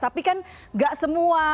tapi kan nggak semua